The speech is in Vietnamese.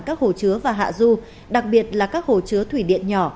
các hồ chứa và hạ du đặc biệt là các hồ chứa thủy điện nhỏ